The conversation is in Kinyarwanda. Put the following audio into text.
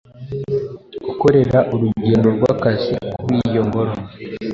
gukorera urugendo rw’akazi kuri iyo ngoro